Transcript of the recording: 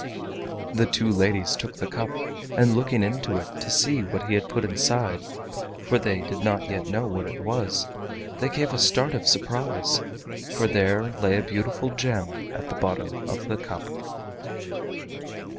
The two ladies took the cup, and looking into it to see what he had put inside—for they did not yet know what it was—they gave a start of surprise, for there lay a beautiful gem at the bottom of the cup.